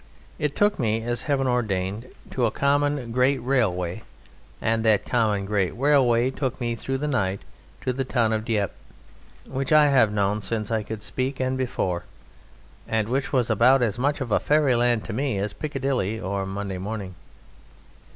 It took me, as Heaven ordained, to a common great railway, and that common great railway took me through the night to the town of Dieppe, which I have known since I could speak and before, and which was about as much of Fairyland to me as Piccadilly or Monday morning.